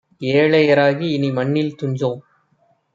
ஏழைய ராகிஇனி மண்ணில் துஞ்சோம்